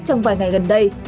trong vài ngày gần đây